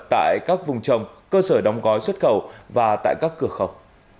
tại các vùng trồng cơ sở đóng gói xuất khẩu và tại các cửa khẩu